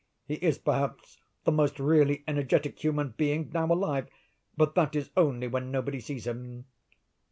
He is, perhaps, the most really energetic human being now alive—but that is only when nobody sees him.